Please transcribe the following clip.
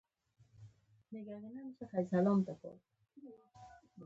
د هلمند کمال خان بند د آرینو کار دی